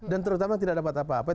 dan terutama tidak dapat apa apa